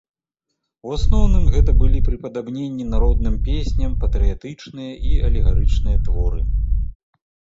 У асноўным гэта былі прыпадабненні народным песням, патрыятычныя і алегарычныя творы.